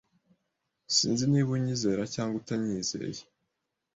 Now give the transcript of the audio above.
Sinzi niba unyizera cyangwa utanyizeye.